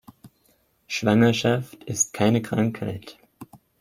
Schwangerschaft ist keine Krankheit.